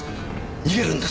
逃げるんです！